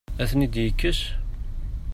Ad ten-id-yekkes?